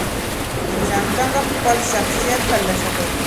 انسان څنګه خپل شخصیت ترلاسه کوي؟